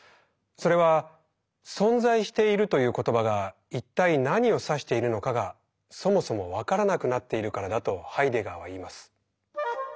それは「存在している」という言葉が一体何を指しているのかがそもそも分からなくなっているからだとハイデガーは言います。